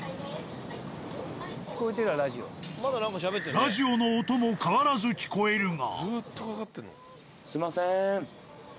ラジオの音も変わらず聞こえるが。